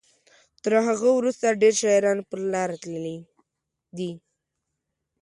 تر هغه وروسته ډیر شاعران پر لاره تللي دي.